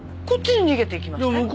こっちに逃げていきましたよ。